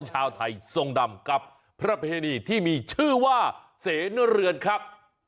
ชาวไทยทรงดำกับประเพณีที่มีชื่อว่าเสนเรือนครับ